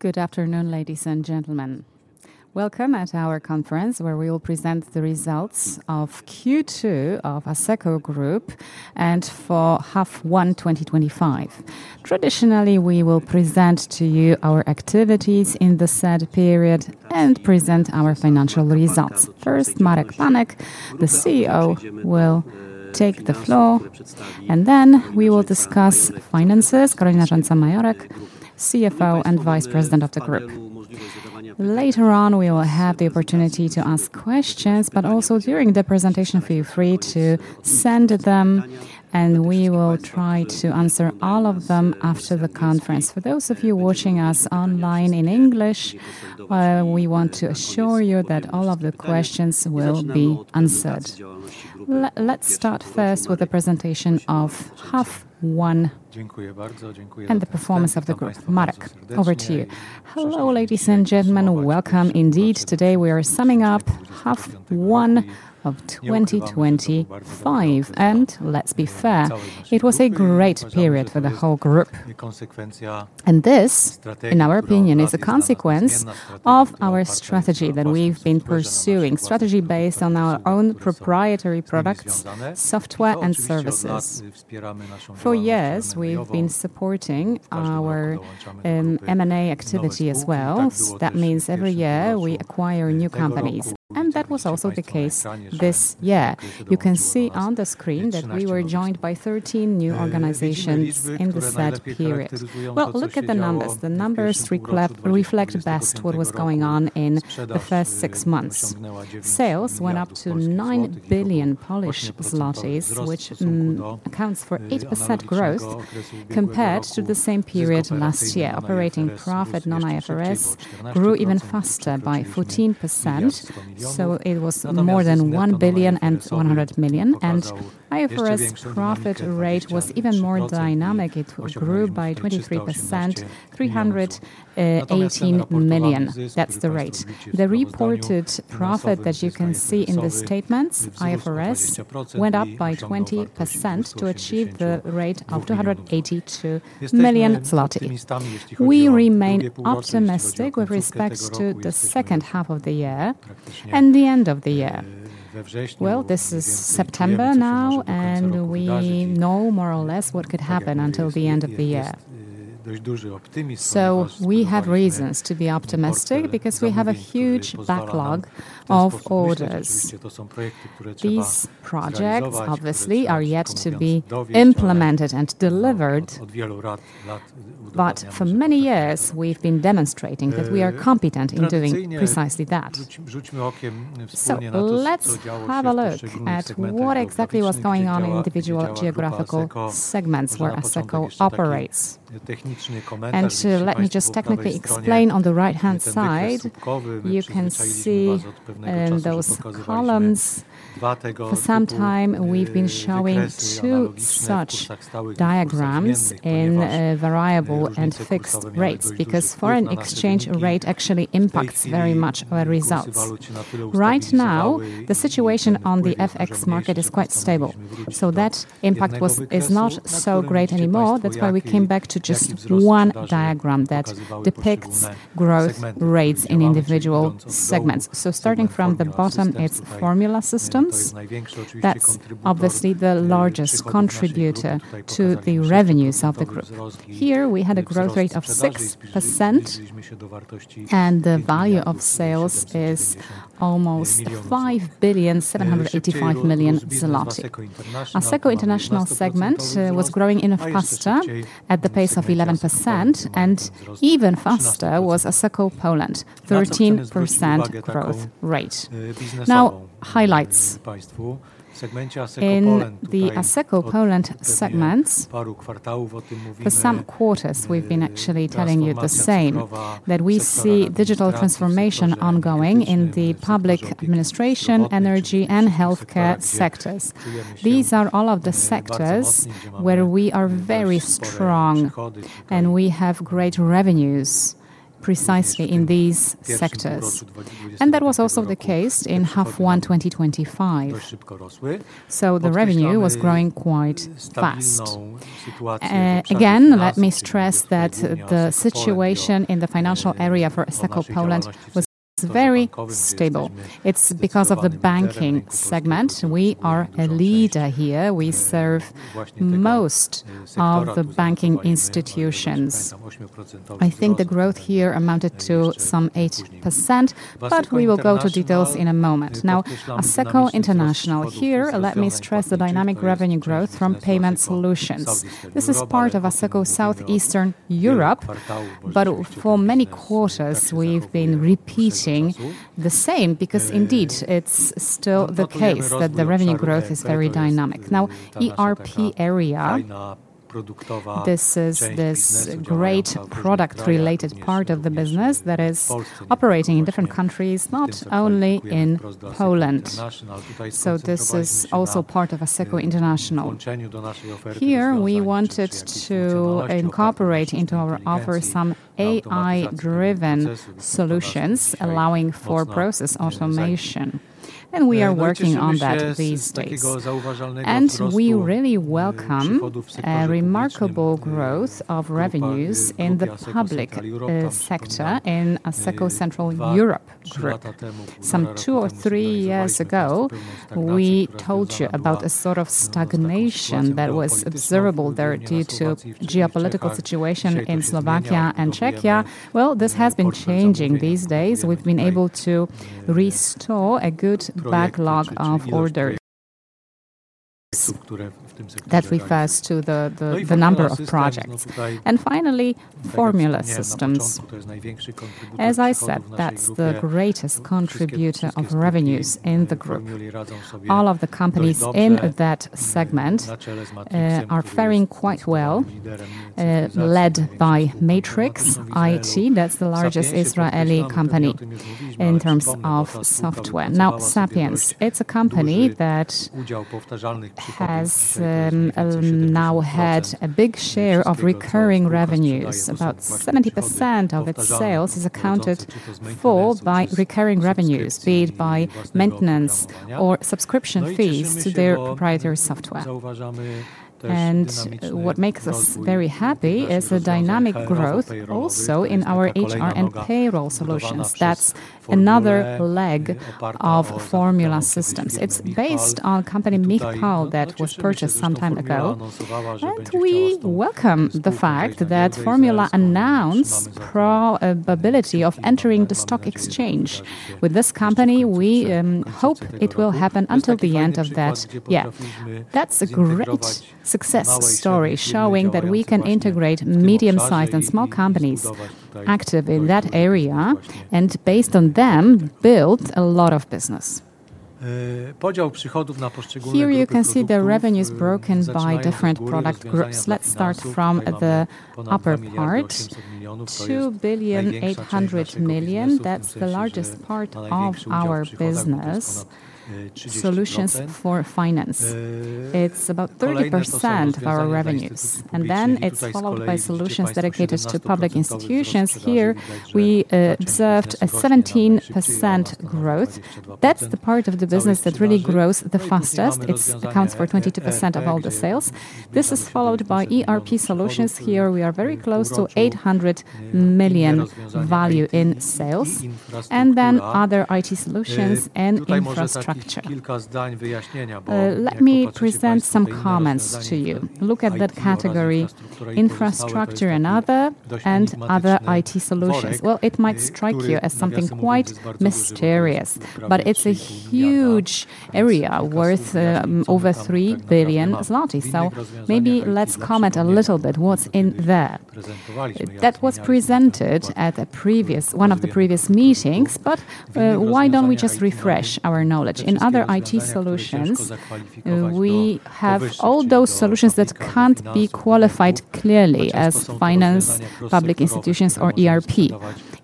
Good afternoon, ladies and gentlemen. Welcome at our conference where we will present the results of Q2 of ASECO Group and for half one twenty twenty five. Traditionally, we will present to you our activities in the said period and present our financial results. First, Marek Panik, the CEO, will take the floor. And then we will discuss finances, Korinna Czaja Mayorak, CFO and Vice President of the Group. Later on, we will have the opportunity to ask questions, but also during the presentation, free to send them, and we will try to answer all of them after the conference. For those of you watching us online in English, we want to assure you that all of the questions will be answered. Let's start first with the presentation of half one and the performance of the group. Marik, over to you. Hello, ladies and gentlemen, welcome indeed. Today, we are summing up 2025. And let's be fair, it was a great period for the whole group. And this, in our opinion, is a consequence of our strategy that we've been pursuing, strategy based on our own proprietary products, software and services. For years, we've been supporting our M and A activity as well. That means every year, we acquire new companies. And that was also the case this year. You can see on the screen that we were joined by 13 new organizations in the said period. Well, look at the numbers. The numbers reflect best what was going on in the first six months. Sales went up to 9,000,000,000 Polish zlotys, which accounts for 8% growth compared to the same period last year. Operating profit non IFRS grew even faster by 14%, So it was more than 1,100,000,000.0. And IFRS profit rate was even more dynamic. It grew by 23%, $318,000,000. That's the rate. Reported profit that you can see in the statements, IFRS, went up by 20% to achieve the rate of PLN $282,000,000. We remain optimistic with respect to the second half of the year and the end of the year. Well, this is September now and we know more or less what could happen until the end of the year. So we have reasons to be optimistic because we have a huge backlog of orders. These projects obviously are yet to be implemented and delivered. But for many years, we've been demonstrating that we are competent in doing precisely that. So let's have a look at what exactly was going on in individual geographical segments where ASECO operates. And so let me just technically explain on the right hand side, you can see those columns. For some time, we've been showing two such diagrams in variable and fixed rates because foreign exchange rate actually impacts very much our results. Right now, the situation on the FX market is quite stable. So that impact was is not so great anymore. That's why we came back to just one diagram that depicts growth rates in individual segments. So starting from the bottom, it's Formula Systems. That's obviously the largest contributor to the revenues of the group. Here, we had a growth rate of 6% and the value of sales is almost 5,785,000,000.000. ASECO International segment was growing in a faster at the pace of 11% and even faster was ASECO Poland, 13% growth rate. Now highlights. In the ASECO Poland segments, for some quarters, we've been actually telling you the same that we see digital transformation ongoing in the public administration, energy and healthcare sectors. These are all of the sectors where we are very strong and we have great revenues precisely in these sectors. And that was also the case in half one twenty twenty five. So the revenue was growing quite fast. Again, let me stress that the situation in the financial area for ESECO Poland was very stable. It's because of the banking segment. We are a leader here. We serve most of the banking institutions. I think the growth here amounted to some 8%, but we will go to details in a moment. Now ASECO International. Here, let me stress the dynamic revenue growth from payment solutions. This is part of ASECO Southeastern Europe, but for many quarters we've been repeating the same because indeed it's still the case that the revenue growth is very dynamic. Now ERP area, this is this great product related part of the business that is operating in different countries, not only in Poland. So this is also part of ASECO International. Here, we wanted to incorporate into our offer some AI driven solutions allowing for process automation. And we are working on that these days. And we really welcome a remarkable growth of revenues in the public sector in Assetto Central Europe group. Some two or three years ago, we told you about a sort of stagnation that was observable there due to geopolitical situation in Slovakia and Czechia. Well, this has been changing these days. We've been able to restore a good backlog of order. That refers to the the the number of projects. And finally, Formula Systems. As I said, that's the greatest contributor of revenues in the group. All of the companies in that segment are faring quite well, led by Matrix IT, that's the largest Israeli company in terms of software. Now Sapiens, it's a company that has now had a big share of recurring revenues. About 70% of its sales is accounted for by recurring revenues, be it by maintenance or subscription fees to their proprietary software. And what makes us very happy is the dynamic growth also in our HR That's and payroll another leg of formula systems. It's based on company Mikhail that was purchased some time ago. And we welcome the fact that Formula announced probability of entering the stock exchange. With this company, we hope it will happen until the end of that. Yeah, that's a great success story showing that we can integrate medium sized and small companies active in that area and based on them, build a lot of business. Here you can see the revenues broken by different product groups. Let's start from the upper part, billion dollars that's the largest part of our business, solutions for finance. It's about 30% of our revenues. Then it's followed by solutions dedicated to public institutions. Here, we observed a 17% growth. That's the part of the business that really grows the fastest. It accounts for 22% of all the sales. This is followed by ERP solutions. Here we are very close to 800,000,000 value in sales and then other IT solutions and infrastructure. Let me present some comments to you. Look at that category, infrastructure and other and other IT solutions. Well, might strike you as something quite mysterious, but it's a huge area worth over 3,000,000,000 zloty. So maybe let's comment a little bit what's in there. That was presented at a previous one of the previous meetings, but why don't we just refresh our knowledge? In other IT solutions, we have all those solutions that can't be qualified clearly as finance, public institutions or ERP.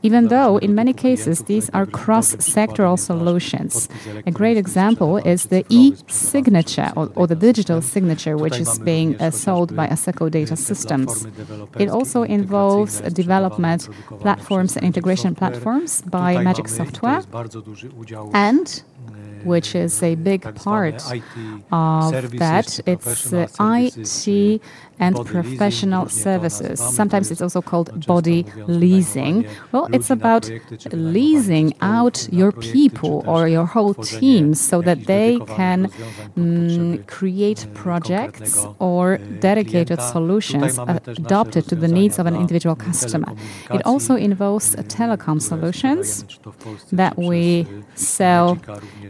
Even though in many cases, these are cross sectoral solutions, a great example is the e signature or the digital signature, which is being sold by Aseco Data Systems. It also involves development platforms and integration platforms by Magic Software and which is a big part of that, it's IT and professional services. Sometimes it's also called body leasing. Well, it's about leasing out your people or your whole team so that they can create projects or dedicated solutions adopted to the needs of an individual customer. It also involves telecom solutions that we sell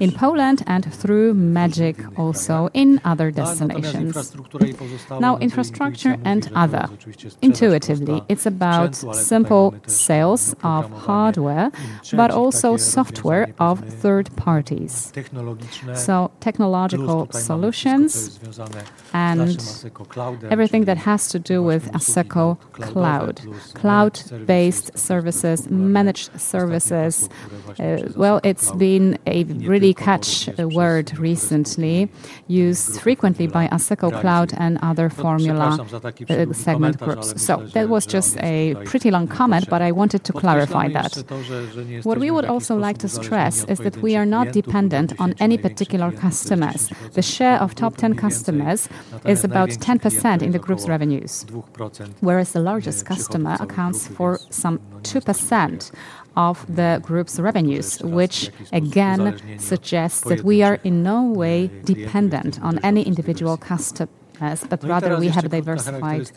in Poland and through magic also in other destinations. Now infrastructure and other. Intuitively, it's about simple sales of hardware but also software of third parties. So technological solutions and everything that has to do with ASECO cloud, cloud based services, managed services. Well, it's been a really catch the word recently used frequently by ASECO cloud and other formula segment groups. So that was just a pretty long comment but I wanted to clarify that. What we would also like to stress is that we are not dependent on any particular customers. The share of top 10 customers is about 10% in the group's revenues, whereas the largest customer accounts for some 2% of the group's revenues, which again suggests that we are in no way dependent on any individual customers, but rather we have diversified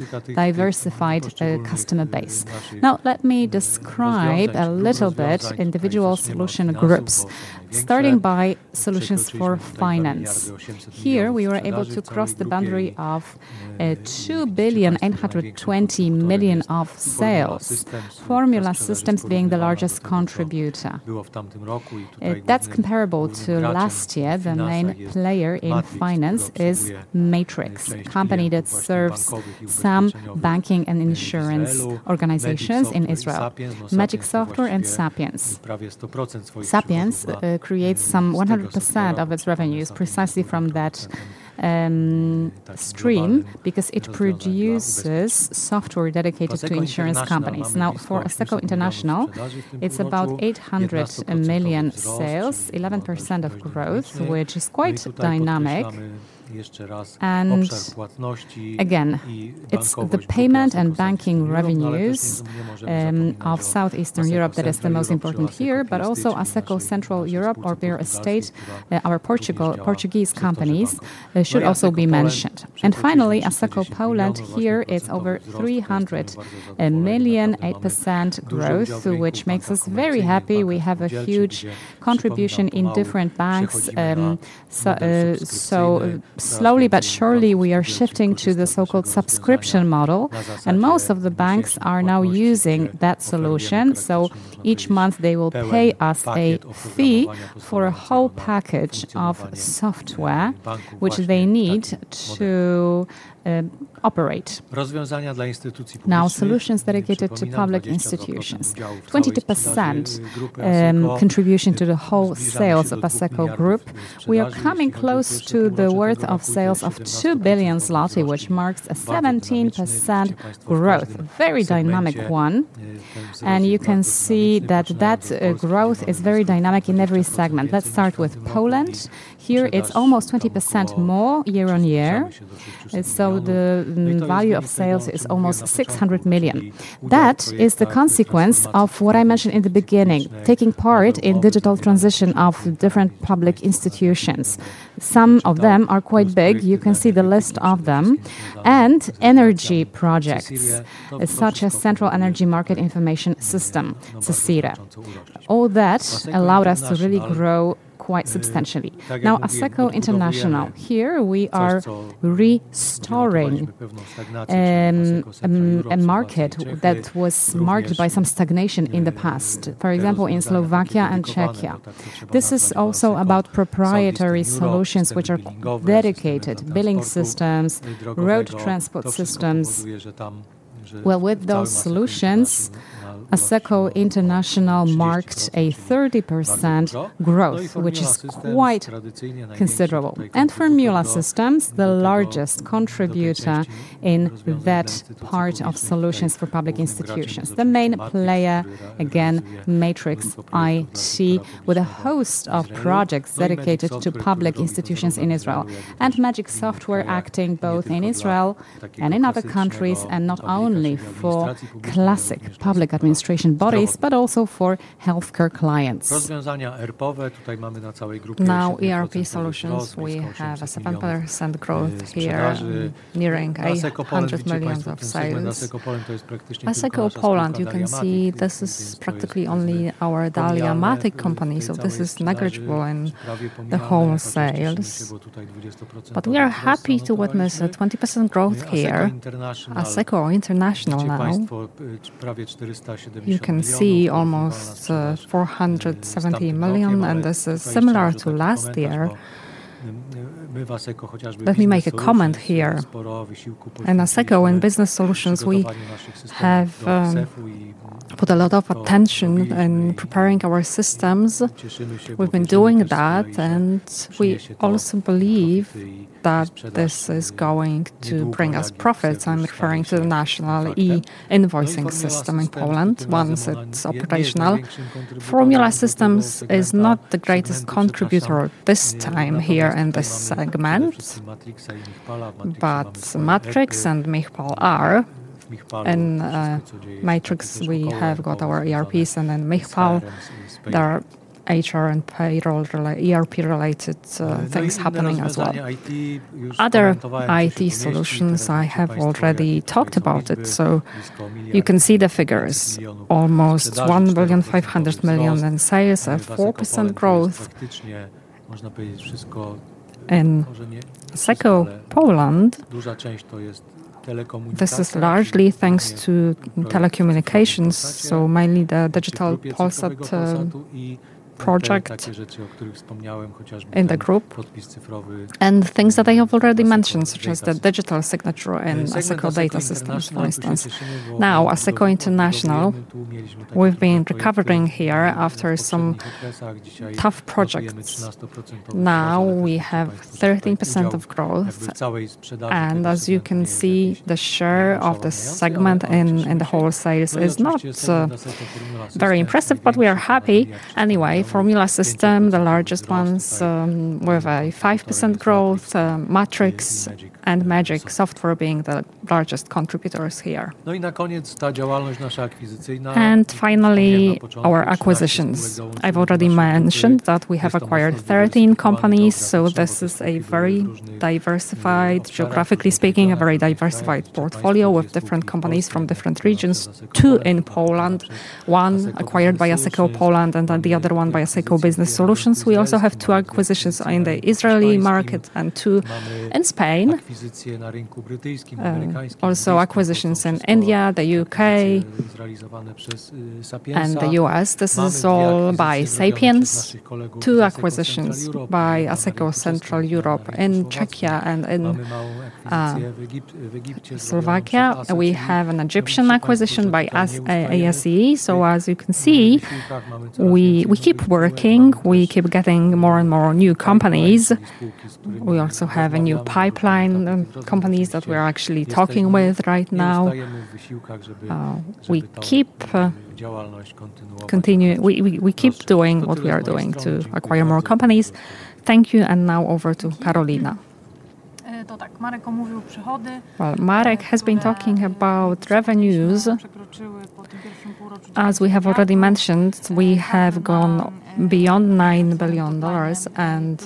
customer base. Now let me describe a little bit individual solution groups, starting by Solutions for Finance. Here we were able to cross the boundary of 2,820,000,000.00 of sales, Formula Systems being the largest contributor. That's comparable to last year. The main player in finance is Matrix, a company that serves some banking and insurance organizations in Israel. Magic Software and Sapiens. Sapiens creates some 100% of its revenues precisely from that stream because it produces software dedicated to insurance companies. Now for ASECO International, it's about 800,000,000 sales, 11% of growth, which is quite dynamic. And again, it's the payment and banking revenues of Southeastern Europe that is the most important here, but also ASECO Central Europe or Beer Estate, our Portuguese companies should also be mentioned. And finally, ASSACO Poland here is over €300,000,000 8% growth, which makes us very happy. We have a huge contribution in different banks. So slowly but surely, we are shifting to the so called subscription model and most of the banks are now using that solution. So each month they will pay us a fee for a whole package of software, which they need to operate. Now solutions dedicated to public institutions, 22% contribution to the whole sales of ASECO Group. We are coming close to the worth of sales of 2,000,000,000, which marks a 17% growth, very dynamic And you can see that, that growth is very dynamic in every segment. Let's start with Poland. Here, it's almost 20% more year on year. So the value of sales is almost 600,000,000. That is the consequence of what I mentioned in the beginning, taking part in digital transition of different public institutions. Some of them are quite big, you can see the list of them. And energy projects such as Central Energy Market Information System, Cecere. All that allowed us to really grow quite substantially. Now ASECO International, here we are restoring a market that was marked by some stagnation in the past, for example, in Slovakia and Czechia. This is also about proprietary solutions which are dedicated, billing systems, road transport systems. Well, with those solutions, ASECO International marked a 30% growth, which is quite considerable. And for MULA Systems, the largest contributor in that part of solutions for public institutions. The main player, again, Matrix IT with a host of projects dedicated to public institutions in Israel. And Magic Software acting both in Israel and in other countries and not only for classic public administration bodies, but also for healthcare clients. As I go Poland, you can see this is practically only our Dalia Matic company, so this is negligible in the home sales. But we are happy to witness a 20% growth here, ASECO international line. You can see almost four seventy million and this is similar to last year. Let me make a comment here. In ASECO, in Business Solutions, we have put a lot of attention in preparing our systems. We've been doing that, and we also believe that this is going to bring us profits. I'm referring to the National e invoicing system in Poland once it's operational. Formula Systems is not the greatest contributor this time here in this segment, but Matrix and MichPal are. And Matrix, we have got our ERPs. And in Mihpal, there are HR and payroll ERP related things happening as well. Other IT solutions, have already talked about it. So you can see the figures, almost 1,500,000,000.0 in sales, a 4% growth in Seco, Poland. This is largely thanks to telecommunications, so mainly the digital pulse up project in the group and things that I have already mentioned, as such the digital signature and Data Systems, for instance. Now ASECO International, we've been recovering here after some tough projects. Now we have 13% of growth. And as you can see, the share of the segment in the wholesale is not very impressive, but we are happy. Anyway, Formula System, the largest ones with a 5% growth, Matrix and MAGIC software being the largest contributors here. And finally, our acquisitions. I've already mentioned that we have acquired 13 companies. So this is a very geographically speaking, a very diversified portfolio with different companies from different regions. Two in Poland, one acquired by Asiko Poland and then the other one by Asiko Business Solutions. We also have two acquisitions in the Israeli market and two in Spain. Also acquisitions in India, The UK and The U. S. This is all by Sapiens, two acquisitions by ASECO Central Europe in Czechia and in Slovakia. We have an Egyptian acquisition by ASE. So as you can see, we keep working. We keep getting more and more new companies. We also have a new pipeline of companies that we are actually talking with right now. We keep doing what we are doing to acquire more companies. Thank you. And now over to Carolina. Well, Marek has been talking about revenues. As we have already mentioned, we have gone beyond $9,000,000,000 and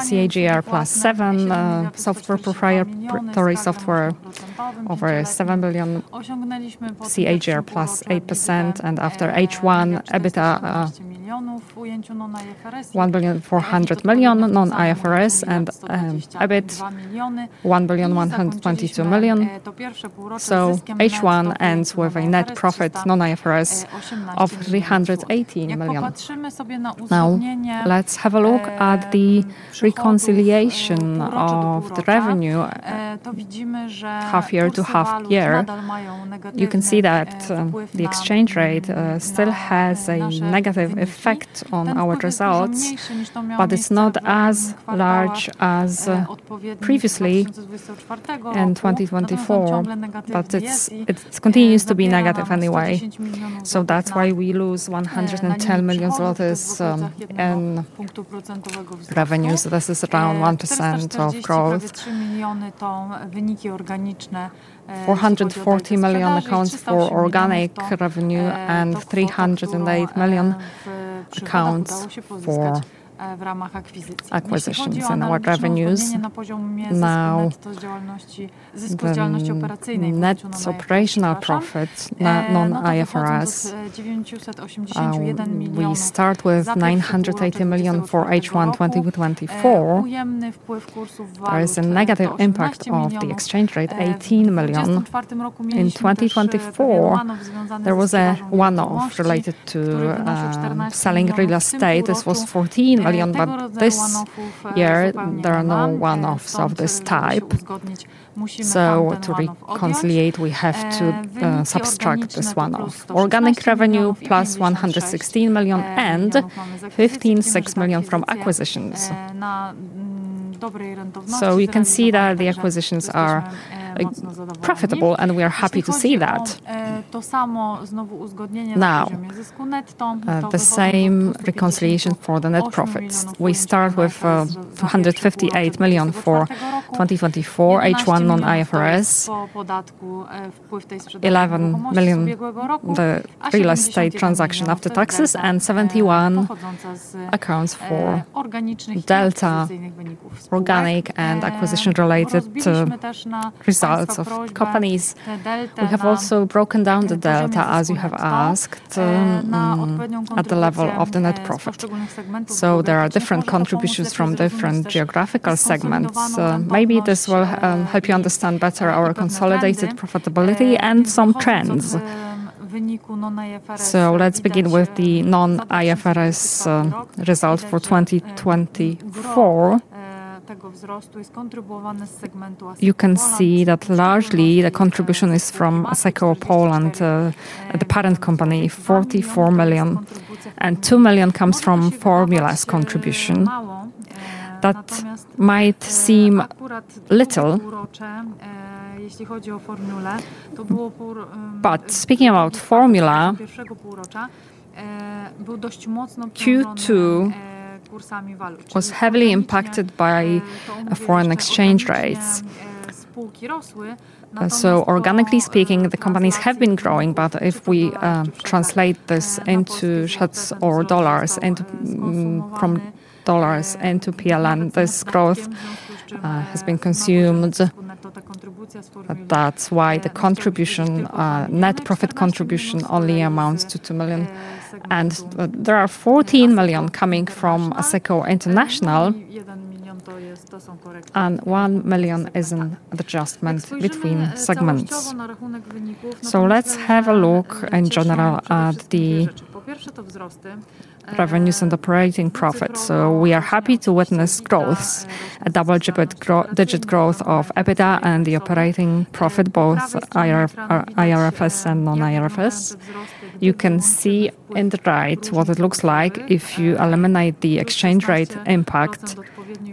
CAGR plus seven, software proprietary software over 7,000,000,000, CAGR plus 8%. And after H1, EBITDA 1,400,000,000.0, non IFRS and EBIT 1,122,000,000.000. So H1 ends with a net profit non IFRS of EUR $318,000,000. Now let's have a look at the reconciliation of the revenue half year to half year. You can see that the exchange rate still has a negative effect on our results, but it's not as large as previously in 2024, but it continues to be negative anyway. So that's why we lose 110,000,000 in revenues. So this is around 1% of growth. Four forty million accounts for organic revenue and EUR $3.00 8,000,000 accounts for acquisitions and our revenues. Net operational profits non IFRS. We start with $980,000,000 for H1 twenty twenty four. There is a negative impact of the exchange rate, 18,000,000. In 2024, there was a one off related to selling real estate. This was 14,000,000, but this year, there are no one offs of this type. So to reconciliate, we have to subtract this one off. Organic revenue plus 116,000,000 and 15,600,000.0 from acquisitions. So you can see that the acquisitions are profitable, and we are happy to see that. Now the same reconciliation for the net profits. We start with $258,000,000 for 2024 H1 non IFRS, 11,000,000 the real estate transaction after taxes and 71,000,000 accounts for delta organic and acquisition related results of companies. We have also broken down the delta, as you have asked, at the level of the net profit. So there are different contributions from different geographical segments. Maybe this will help you understand better our consolidated profitability and some trends. So let's begin with the non IFRS results for 2024. You can see that largely the contribution is from Asiko Poland, the parent company, 44,000,000, and 2,000,000 comes from formula's contribution. That might seem little. But speaking about formula, Q2 was heavily impacted by foreign exchange rates. So organically speaking, the companies have been growing. But if we translate this into shuts or dollars and from dollars into PLN. This growth has been consumed. That's why the contribution net profit contribution only amounts to 2,000,000. And there are 14,000,000 coming from ASECO International, and 1,000,000 is an adjustment between segments. So let's have a look in general at the revenues and operating profit. So we are happy to witness growth, a double digit growth of EBITDA and the operating profit, both IRFS and non IRFS. You can see in the right what it looks like if you eliminate the exchange rate impact,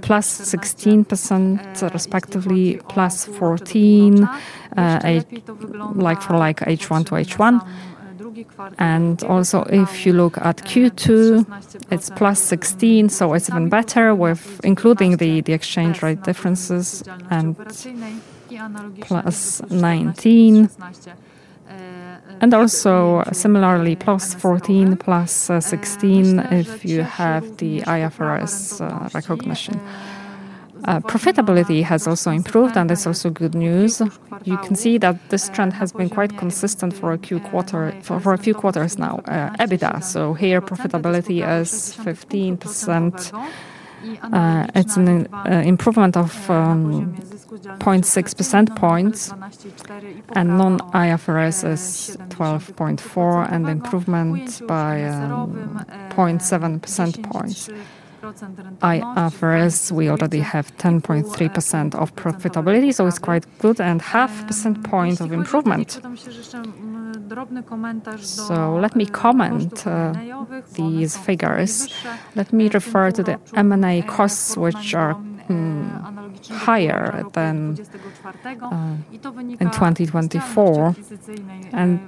plus 16%, respectively, plus 14 like for like H1 to H1. And also, if you look at Q2, it's plus 16,000,000, so it's even better with including the exchange rate differences and plus EUR 19 and also similarly, plus 14%, plus 16% if you have the IFRS recognition. Profitability has also improved, and it's also good news. You can see that this trend has been quite consistent for a few quarters now. EBITDA, so here, profitability is 15. It's an improvement of 0.6% points, and non IFRS is 12.4% and improvement by 0.7% points. IFRS, we already have 10.3% of profitability, so it's quite good and 0.5 of improvement. So let me comment these figures. Let me refer to the M and A costs, which are higher than in 2024, and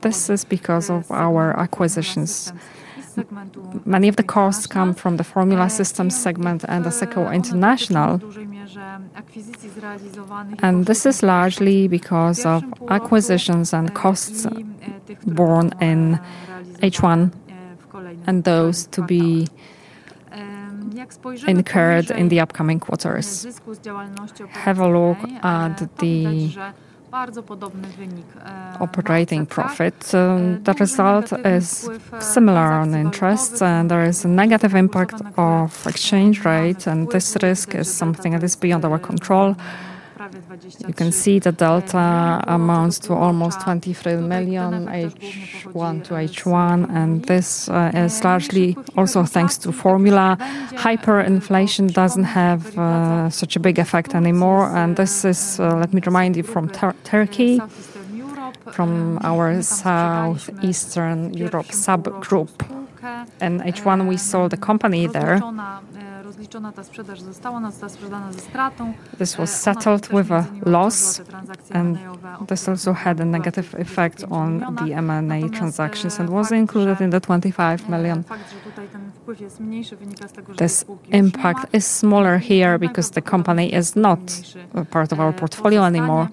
this is because of our acquisitions. Many of the costs come from the Formula Systems segment and ASECCO International, and this is largely because of acquisitions and costs borne in H1 and those to be incurred in the upcoming quarters. Have a look at the operating profit. The result is similar on interest, and there is a negative impact of exchange rate, and this risk is something that is beyond our control. You can see the delta amounts to almost 23,000,000 H1 to H1, and this is largely also thanks to formula. Hyperinflation doesn't have such a big effect anymore, and this is, let me remind you, from Turkey, from our Southeastern Europe subgroup. In h one, we sold the company there. This was settled with a loss, and this also had a negative effect on the M and A transactions and was included in the 25,000,000. This impact is smaller here because the company is not a part of our portfolio anymore.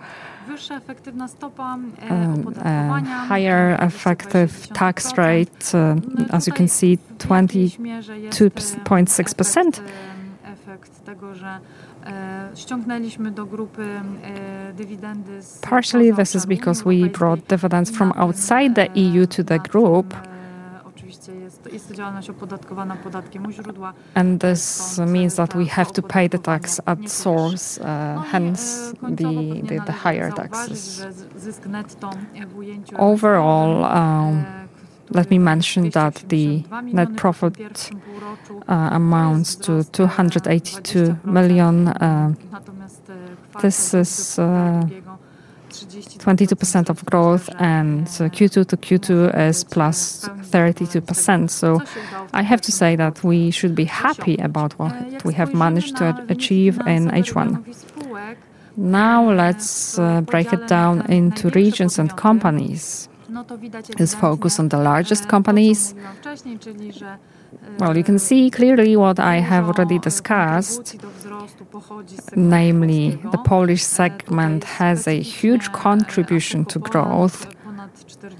Higher effective tax rate, as you can see, 2.6. Partially, this is because we brought dividends from outside the EU to the group. And this means that we have to pay the tax at source, hence, the higher taxes. Overall, let me mention that the net profit amounts to million. This is 22% of growth and Q2 to Q2 is plus 32%. So I have to say that we should be happy about what we have managed to achieve in H1. Now let's break it down into regions and companies. Let's focus on the largest companies. Well, you can see clearly what I have already discussed, namely the Polish segment has a huge contribution to growth.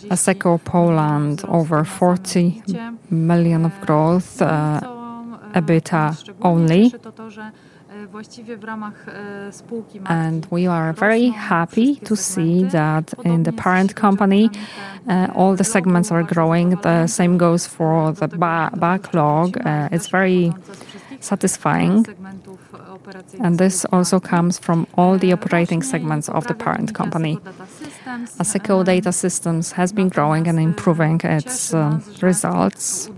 ASECO Poland, over 40,000,000 of growth, EBITDA only. And we are very happy to see that in the parent company, all the segments are growing. The same goes for the backlog. It's very satisfying. And this also comes from all the operating segments of the parent company. Asiko Data Systems has been growing and improving its results.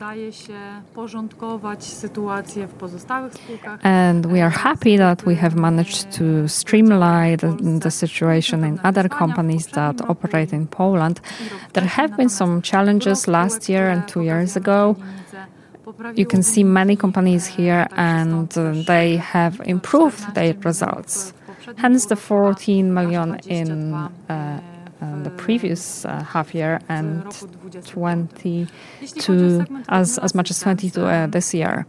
And we are happy that we have managed to streamline the situation in other companies that operate in Poland. There have been some challenges last year and two years ago. You can see many companies here, and they have improved their results. Hence, the 14,000,000 in the previous half year and 20 to as much as 20,000,000 this year.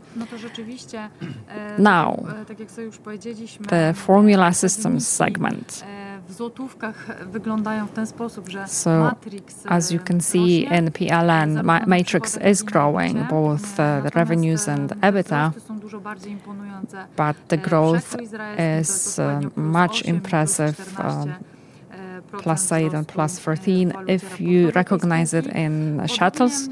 Now the Formula Systems segment. So as you can see in PLN, MATRIX is growing, both the revenues and EBITDA, but the growth is much impressive plus 8 and plus 14 If you recognize it in shuttles,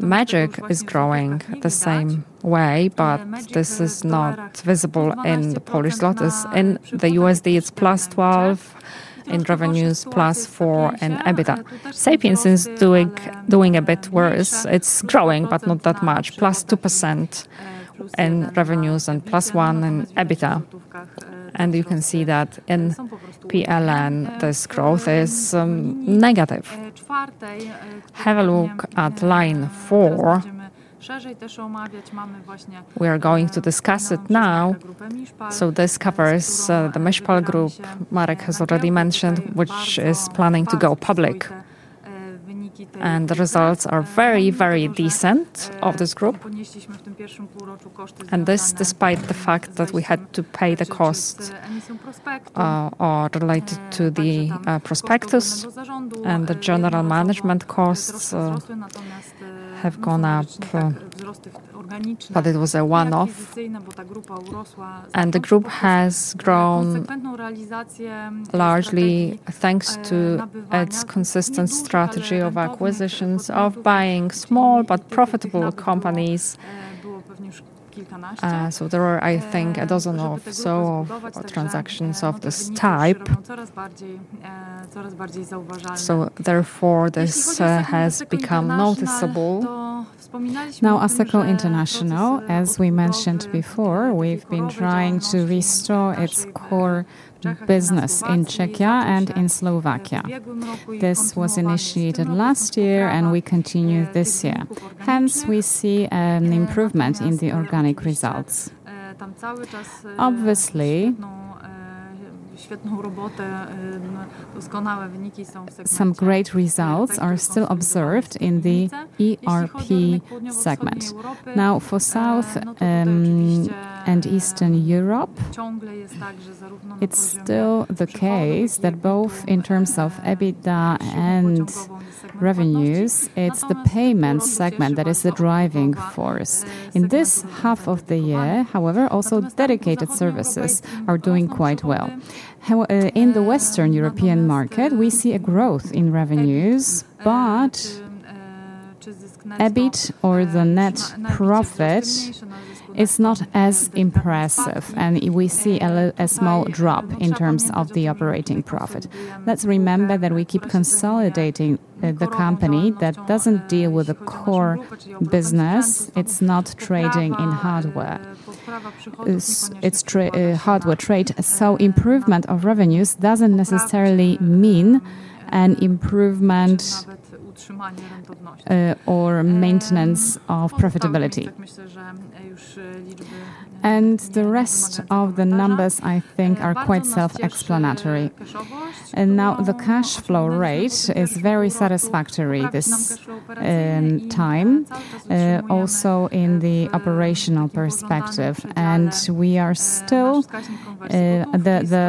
the magic is growing the same way, but this is not visible in the Polish zlotus. In the USD, it's plus 12 in revenues, plus 4% in EBITDA. Sapiens is doing a bit worse. It's growing, but not that much, plus 2% in revenues and plus 1% in EBITDA. And you can see that in PLN, this growth is negative. Have a look at Line four. We are going to discuss it now. So this covers the Mishpal Group, Marek has already mentioned, which is planning to go public. And the results are very, very decent of this group. And this, despite the fact that we had to pay the costs related to the prospectus and the general management costs have gone up, but it was a one off. And the group has grown largely thanks to its consistent strategy of acquisitions of buying small but profitable companies. So there are, I think, a dozen or so of transactions of this type. So therefore, this has become noticeable. Now Asakol International, as we mentioned before, we've been trying to restore its core business in Czechia and in Slovakia. This was initiated last year and we continue this year. Hence, we see an improvement in the organic results. Obviously, some great results are still observed in the ERP segment. Now for South And Eastern Europe, it's still the case that both in terms of EBITDA and revenues, it's the payment segment that is the driving force. In this half of the year, however, also dedicated services are doing quite well. In the Western European market, we see a growth in revenues, but EBIT or the net profit is not as impressive. And we see a small drop in terms of the operating profit. Let's remember that we keep consolidating the company that doesn't deal with the core business. It's not trading in hardware. It's hardware trade. So improvement of revenues doesn't necessarily mean an improvement or maintenance of profitability. And the rest of the numbers, I think, are quite self explanatory. And now the cash flow rate is very satisfactory this time, also in the operational perspective. And we are still the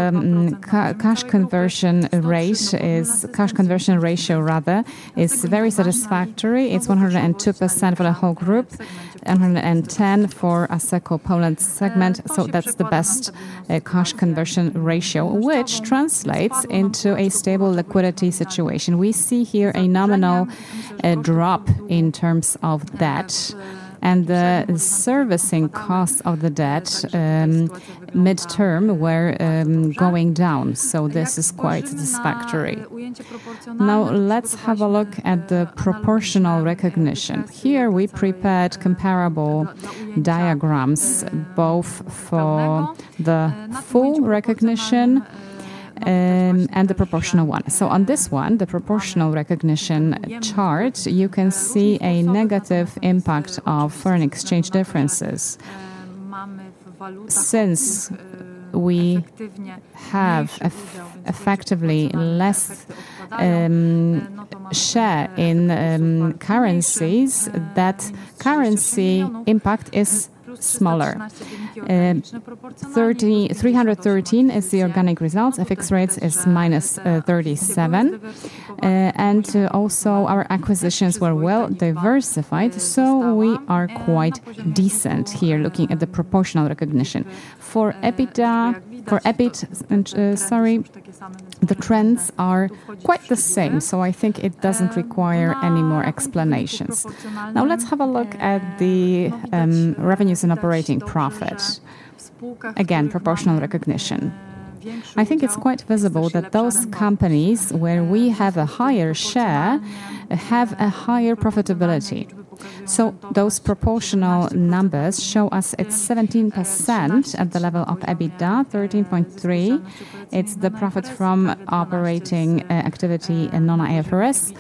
cash conversion rate is cash conversion ratio rather is very satisfactory. It's 102% for the whole group, 110% for ASECO Poland segment. So that's the best cash conversion ratio, which translates into a stable liquidity situation. We see here a nominal drop in terms of debt. And the servicing cost of the debt midterm were going down, so this is quite satisfactory. Now let's have a look at the proportional recognition. Here, we prepared comparable diagrams both for the full recognition and the proportional one. So on this one, the proportional recognition chart, you can see a negative impact of foreign exchange differences. Since we have effectively less share in currencies, that currency impact is smaller. EUR $313,000,000 is the organic results. FX rates is minus 37,000,000. And also our acquisitions were well diversified, so we are quite decent here looking at the proportional recognition. For EBITDA for EBIT, sorry, the trends are quite the same. So I think it doesn't require any more explanations. Now let's have a look at the revenues and operating profit. Again, proportional recognition. I think it's quite visible that those companies where we have a higher share have a higher profitability. So those proportional numbers show us it's 17% at the level of EBITDA, 13.3%. It's the profit from operating activity in non IFRS.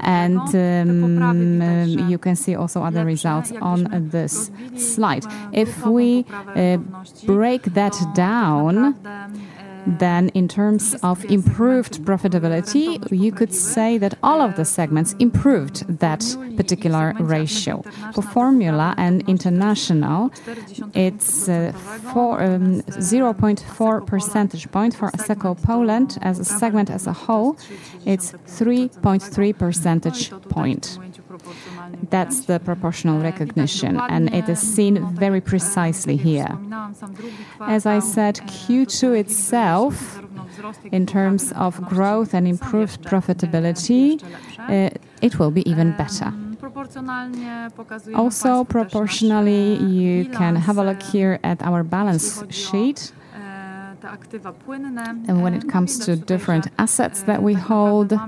And you can see also other results on this slide. If we break that down, then in terms of improved profitability, you could say that all of the segments improved that particular ratio. For Formula and International, it's 0.4 percentage points. For ASECO Poland, as a segment as a whole, it's 3.3 percentage point. That's the proportional recognition, and it is seen very precisely here. As I said, Q2 itself, in terms of growth and improved profitability, it will be even better. Also proportionally, you can have a look here at our balance sheet. And when it comes to different assets that we hold,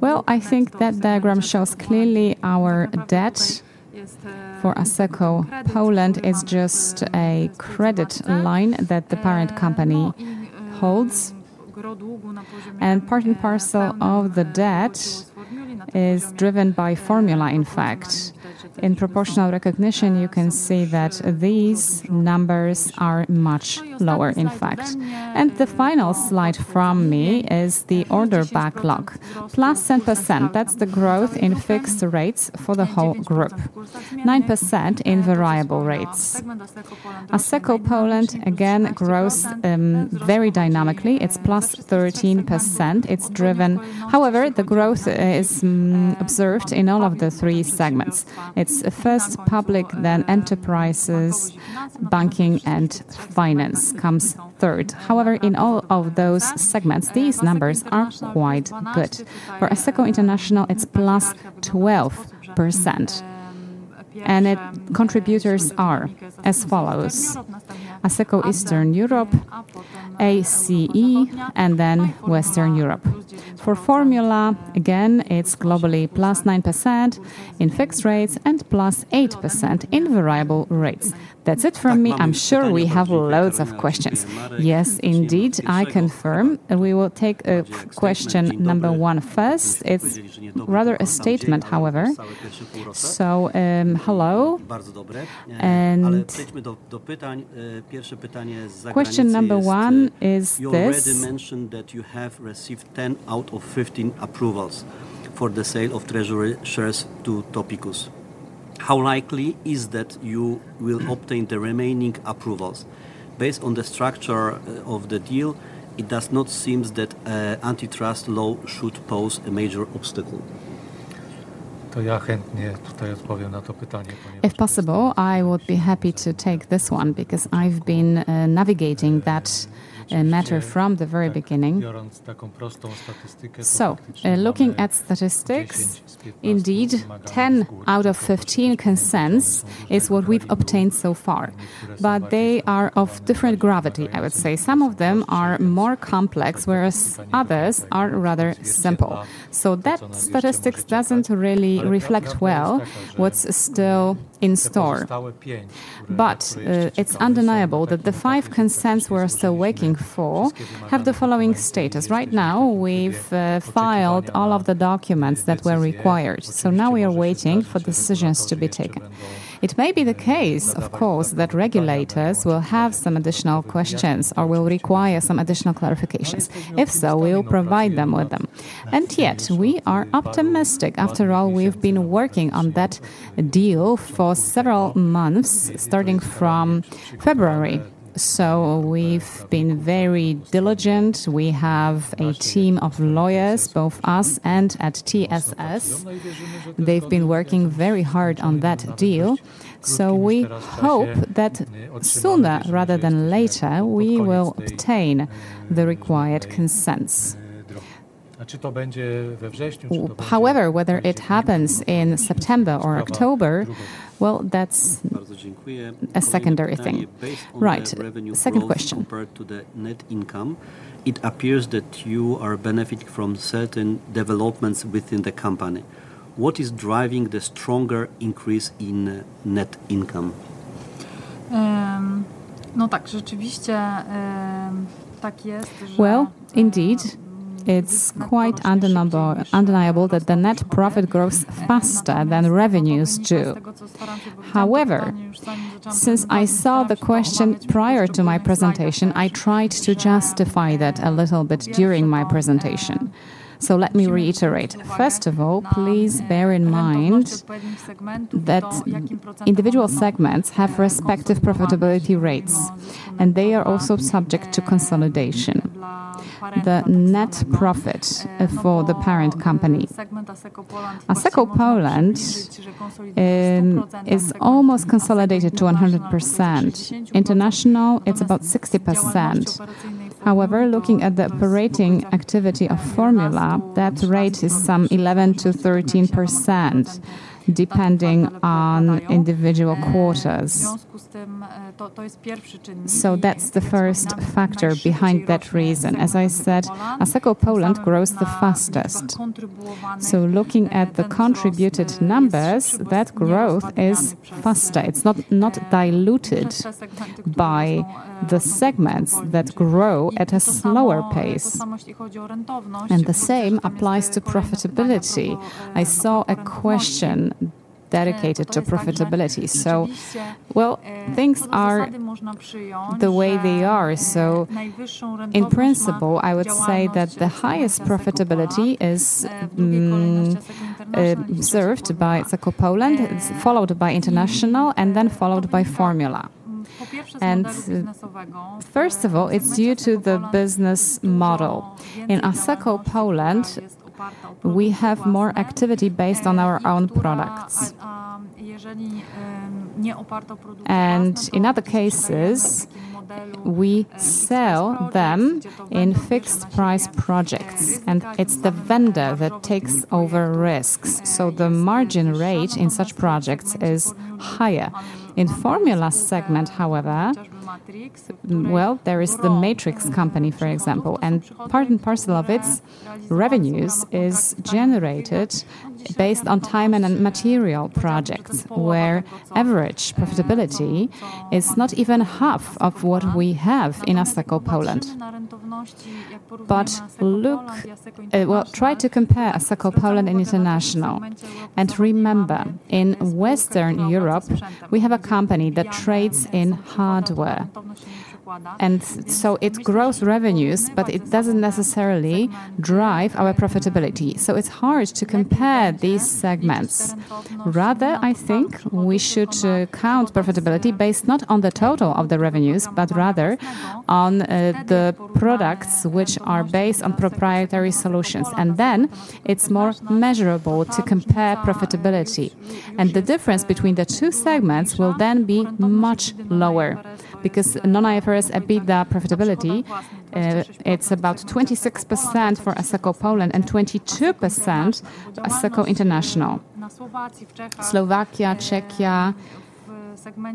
well, I think that diagram shows clearly our debt for ASECO. Poland is just a credit line that the parent company holds. And part and parcel of the debt is driven by formula, in fact. In proportional recognition, you can see that these numbers are much lower, in fact. And the final slide from me is the order backlog, plus 10%. That's the growth in fixed rates for the whole group, 9% in variable rates. ASECO Poland, again, grows very dynamically. It's plus 13%. It's driven however, the growth is observed in all of the three segments. It's first public, then enterprises, banking and finance comes third. However, in all of those segments, these numbers are quite good. For ASECO International, it's plus 12%. And its contributors are as follows: ASECO Eastern Europe, ACE and then Western Europe. For formula, again, it's globally plus 9% in fixed rates and plus 8% in variable rates. That's it from me. I'm sure we have loads of questions. Yes, indeed, I confirm. We will take question number one first. It's rather a statement, however. So, hello. Question number one is this. Already mentioned that you have received 10 out of 15 approvals for the sale of treasury shares to Topicos. How likely is that you will obtain the remaining approvals? Based on the structure of the deal, it does not seems that antitrust law should pose a major obstacle. If possible, I would be happy to take this one because I've been navigating that matter from the very beginning. So looking at statistics, indeed, 10 out of 15 consents is what we've obtained so far. But they are of different gravity, I would say. Some of them are more complex, whereas others are rather simple. So that statistics doesn't really reflect well what's still in store. But it's undeniable that the five consents we're still waiting for have the following status. Right now, we've filed all of the documents that were required. So now we are waiting for decisions to be taken. It may be the case, of course, that regulators will have some additional questions or will require some additional clarifications. If so, we'll provide them with them. And yet, are optimistic. After all, we've been working on that deal for several months starting from February. So we've been very diligent. We have a team of lawyers, both us and at TSS. They've been working very hard on that deal. So we hope that sooner rather than later, we will obtain the required consents. However, whether it happens in September or October, well, that's a secondary thing. Right. Second Second question. Appears that you are benefiting from certain developments within the company. What is driving the stronger increase in net income? Well, indeed, it's quite undeniable that the net profit grows faster than revenues do. However, since I saw the question prior to my presentation, I tried to justify that a little bit during my presentation. So let me reiterate. First of all, please bear in mind that individual segments have respective profitability rates, and they are also subject to consolidation. The net profit for the parent company, Osseco Poland is almost consolidated to 100%. International, it's about 60%. However, looking at the operating activity of formula, that rate is some 11% to 13% depending on individual quarters. So that's the first factor behind that reason. As I said, Osseco Poland grows the fastest. So looking at the contributed numbers, that growth is faster. It's not diluted by the segments that grow at a slower pace. And the same applies to profitability. I saw a question dedicated to profitability. So well, things are the way they are. So in principle, I would say that the highest profitability is observed by Zakopoland, followed by international and then followed by formula. And first of all, it's due to the business model. In Osaka, Poland, we have more activity based on our own products. And in other cases, we sell them in fixed price projects, and it's the vendor that takes over risks. So the margin rate in such projects is higher. In formula segment, however, well, there is the matrix company, for example. And part and parcel of its revenues is generated based on time and material projects, where average profitability is not even half of what we have in Osaka Poland. But look well, try to compare Osaka Poland and international. And remember, in Western Europe, we have a company that trades in hardware. And so it grows revenues, but it doesn't necessarily drive our profitability. So it's hard to compare these segments. Rather, I think we should count profitability based not on the total of the revenues, but rather on the products which are based on proprietary solutions. And then it's more measurable to compare profitability. And the difference between the two segments will then be much lower because non IFRS EBITDA profitability, it's about 26% for ASACO Poland and 22% ASACO International. Slovakia, Czechia,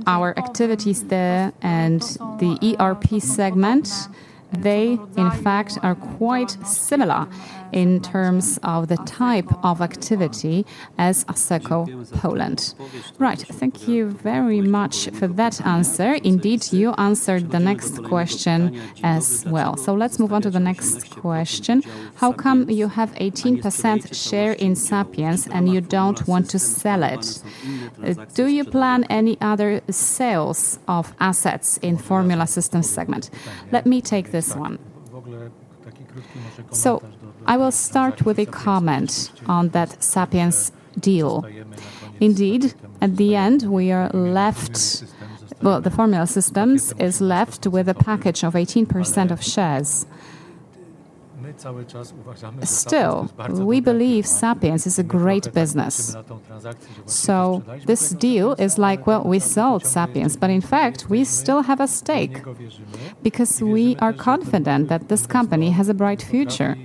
our activities there and the ERP segment, they, in fact, are quite similar in terms of the type of activity as ASSECO Poland. Right. Thank you very much for that answer. Indeed, you answered the next question as well. So let's move on to the next question. How come you have 18% share in Sapiens and you don't want to sell it? Do you plan any other sales of assets in Formula Systems segment? Let me take this one. So I will start with a comment on that Sapiens deal. Indeed, at the end, we are left well, the Formula Systems is left with a package of 18% of shares. Still, we believe Sapiens is a great business. So this deal is like, well, we sold Sapiens, but in fact, we still have a stake because we are confident that this company has a bright future.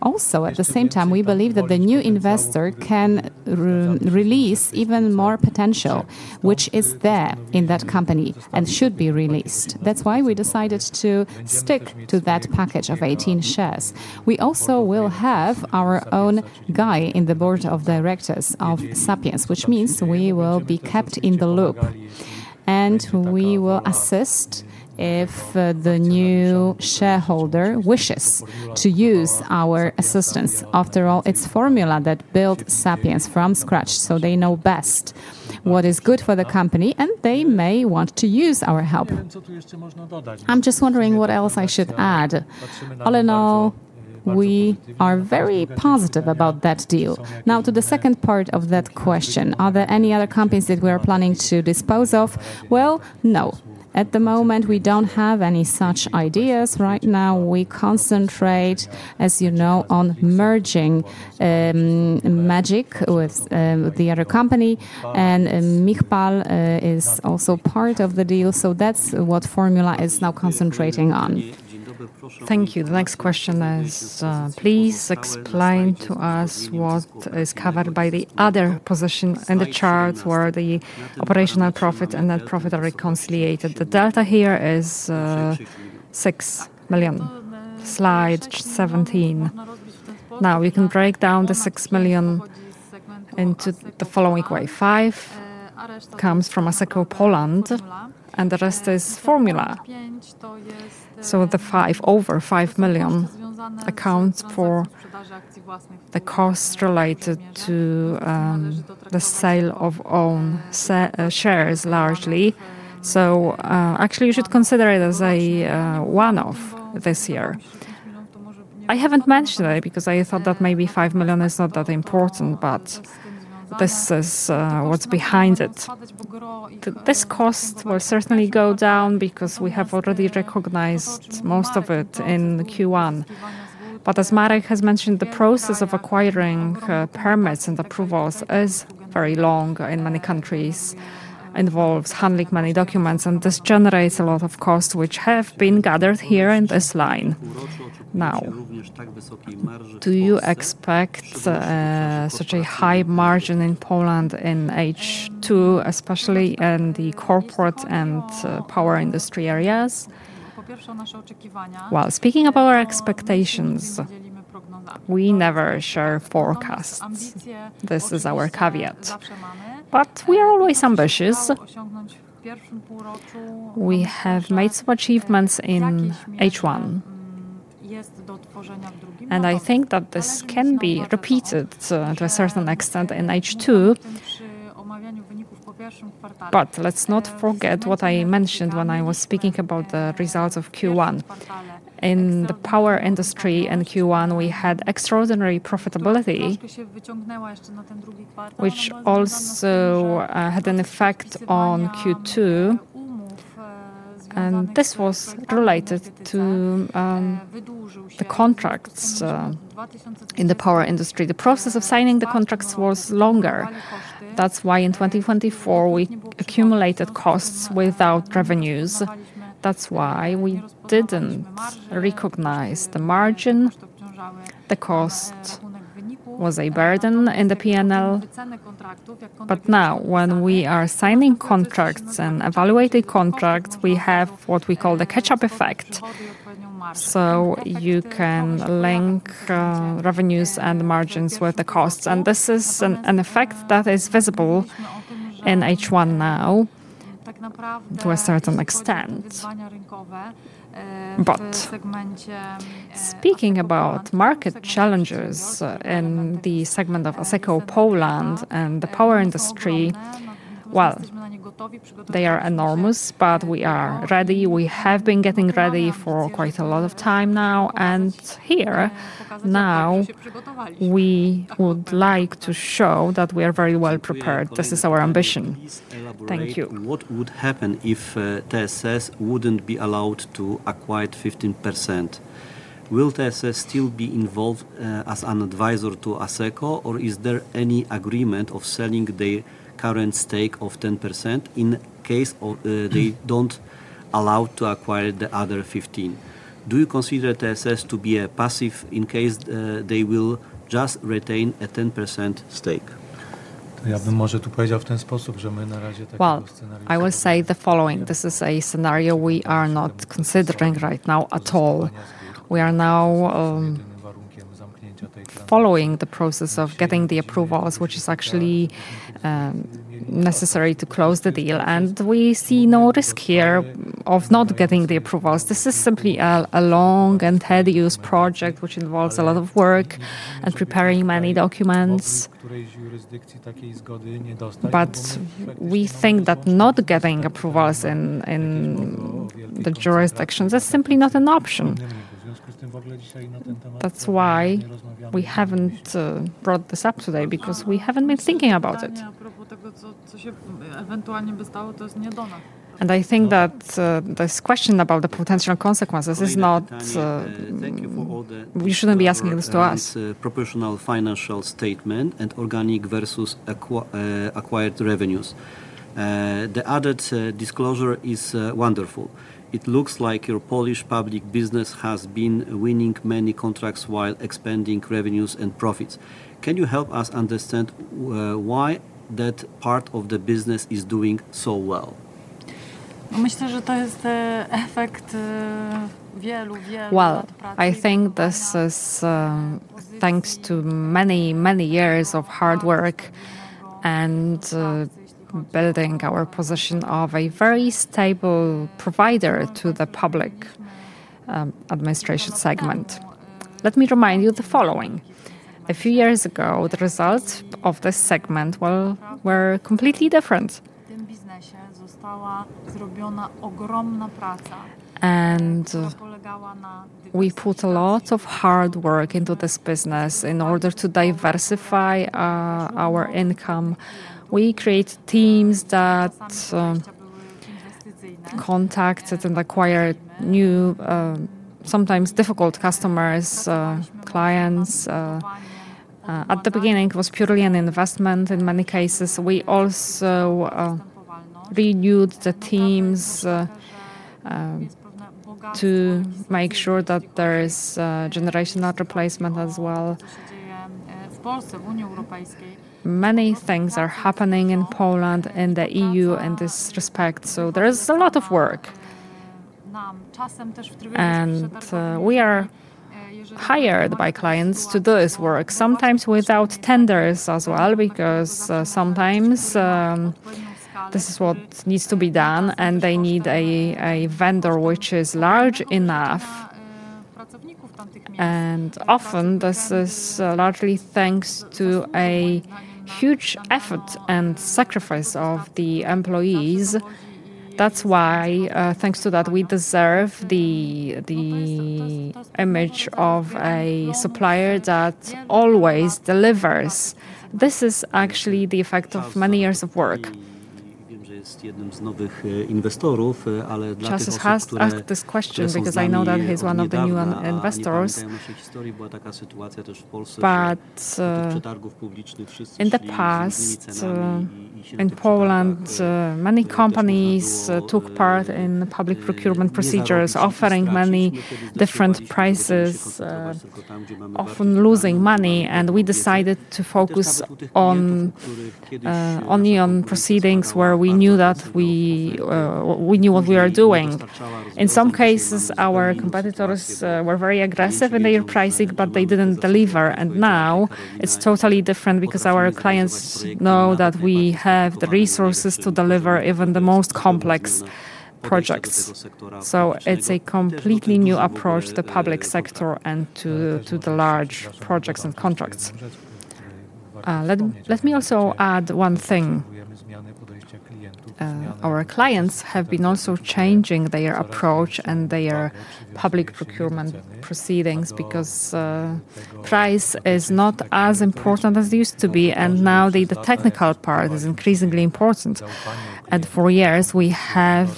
Also, at the same time, we believe that the new investor can release even more potential, which is there in that company and should be released. That's why we decided to stick to that package of 18 shares. We also will have our own guy in the board of directors of Sapiens, which means we will be kept in the loop. And we will assist if the new shareholder wishes to use our assistance. After all, it's formula that built Sapiens from scratch, so they know best what is good for the company, and they may want to use our help. I'm just wondering what else I should add. All in all, we are very positive about that deal. Now to the second part of that question, are there any other companies that we are planning to dispose off? Well, no. At the moment, we don't have any such ideas. Right now, we concentrate, as you know, on merging Magic with the other company. And Michpal is also part of the deal. So that's what Formula is now concentrating on. Thank you. The next question is, please explain to us what is covered by the other position in the charts where the operational profit and net profit are reconciliated. The delta here is million. Slide 17. Now we can break down the 6,000,000 into the following way. Five comes from Osseco Poland, and the rest is formula. So the 5 over 5,000,000 accounts for the costs related to the sale of own shares largely. So actually, you should consider it as a one off this year. I haven't mentioned it because I thought that maybe 5,000,000 is not that important, but this is what's behind it. This cost will certainly go down because we have already recognized most of it in q one. But as Marek has mentioned, the process of acquiring permits and approvals is very long in many countries, involves handling many documents, and this generates a lot of costs which have been gathered here in this line. Now do you expect such a high margin in Poland in h two, especially in the corporate and power industry areas. Well, speaking of our expectations, we never share forecasts. This is our caveat. But we are always ambitious. We have made some achievements in H1. And I think that this can be repeated to a certain extent in H2. But let's not forget what I mentioned when I was speaking about the results of Q1. In the power industry in Q1, we had extraordinary profitability, which also had an effect on Q2. And this was related to the contracts in the power industry. The process of signing the contracts was longer. That's why in 2024, we accumulated costs without revenues. That's why we didn't recognize the margin. The cost was a burden in the p and l. But now when we are signing contracts and evaluating contracts, we have what we call the catch up effect. So you can link revenues and margins with the costs. And this is an effect that is visible in H1 now to a certain extent. But speaking about market challenges in the segment of Osseco Poland and the power industry, well, they are enormous, but we are ready. We have been getting ready for quite a lot of time now. And here, now, we would like to show that we are very well prepared. This is our ambition. Thank you. What would happen if TSS wouldn't be allowed to acquire 15%? Will TSS still be involved as an adviser to ASECO? Or is there any agreement of selling the current stake of 10% in case they don't allow to acquire the other 15%? Do you consider TSS to be a passive in case they will just retain a 10% stake? Well, I will say the following. This is a scenario we are not considering right now at all. We are now following the process of getting the approvals, which is actually necessary to close the deal. And we see no risk here of not getting the approvals. This is simply a long and tedious project, which involves a lot of work and preparing many documents. But we think that not getting approvals in in the jurisdictions is simply not an option. That's why we haven't brought this up today because we haven't been thinking about it. And I think that this question about the potential consequences is not we shouldn't be asking this to other disclosure is wonderful. JEAN It looks like your Polish public business has been winning many contracts while expanding revenues and profits. Can you help us understand why that part of the business is doing so well? Well, I think this is thanks to many, many years of hard work and building our position of a very stable provider to the public administration segment. Let me remind you the following. A few years ago, the results of this segment were completely different. And we put a lot of hard work into this business in order to diversify our income. We create teams that contacted and acquired new, sometimes difficult customers, clients. At the beginning, it was purely an investment. In many cases, we also renewed the teams to make sure that there is generational replacement as well. Many things are happening in Poland and The EU in this respect, so there is a lot of work. And we are hired by clients to do this work, sometimes without tenders as well because sometimes this is what needs to be done, and they need a a vendor which is large enough. And often, this is largely thanks to a huge effort and sacrifice of the employees. That's why, thanks to that, we deserve the the image of a supplier that always delivers. This is actually the effect of many years of work. Francis has asked this question because I know that he's one of the new investors. But in the past, in Poland, many companies took part in public procurement procedures, offering money different prices, often losing money. And we decided to focus only on proceedings where we knew that we knew what we are doing. In some cases, our competitors were very aggressive in their pricing, but they didn't deliver. And now it's totally different because our clients know that we have the resources to deliver even the most complex projects. So it's a completely new approach to the public sector and to the large projects and contracts. Let me also add one thing. Our clients have been also changing their approach and their public procurement proceedings because price is not as important as it used to be and now the technical part is increasingly important. And for years, we have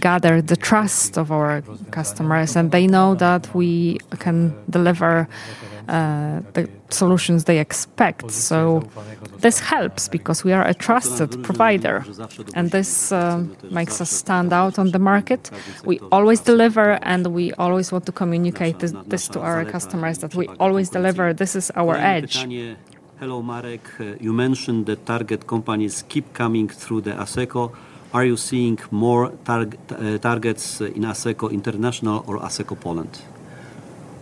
gathered the trust of our customers and they know that we can deliver the solutions they expect. So this helps because we are a trusted provider, and this makes us stand out on the market. We always deliver, and we always want to communicate this to our customers that we always deliver. This is our edge. Hello, Marek. You mentioned that target companies keep coming through the ASECO. Are you seeing more targets in ASECO International or ASECO Poland?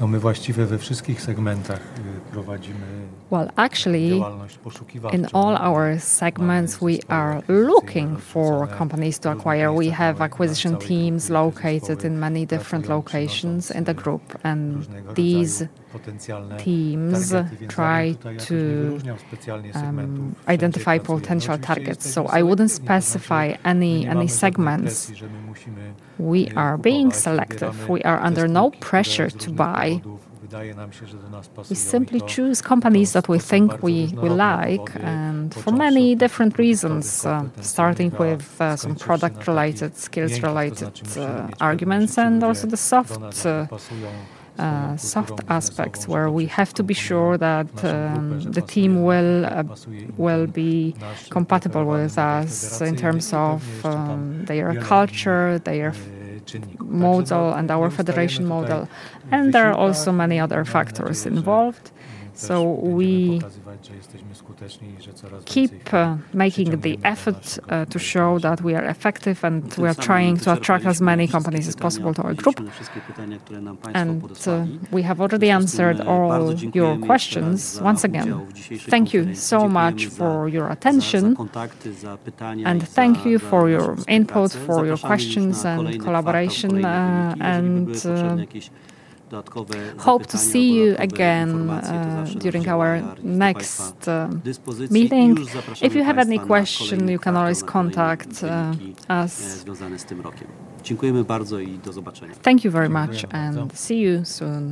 Well, actually, in all our segments, we are looking for companies to acquire. We have acquisition teams located in many different locations in the group. And these teams try to identify potential targets. So I wouldn't specify any segments. We are being selective. We are under no pressure to buy. We simply choose companies that we think we like and for many different reasons, starting with some product related, skills related arguments and also the soft soft aspects where we have to be sure that the team will will be compatible with us in terms of their culture, their model, and our federation model. And there are also many other factors involved. So we keep making the efforts to show that we are effective and we are trying to attract as many companies as possible to our group. And we have already answered all your questions once again. Thank you so much for your attention and thank you for your input, for your questions and collaboration and hope to see you again during our next meeting. If you have any question, you can always contact us. Thank you very much and see you soon.